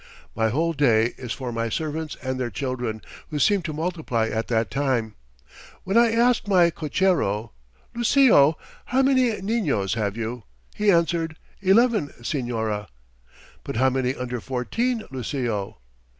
My whole day is for my servants and their children, who seem to multiply at that time. When I asked my cochero, 'Lucio, how many niños have you?' he answered, 'Eleven, señora.' 'But how many under fourteen, Lucio?'